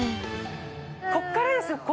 ここからですよ。